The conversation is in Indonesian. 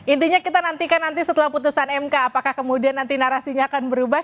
intinya kita nantikan nanti setelah putusan mk apakah kemudian nanti narasinya akan berubah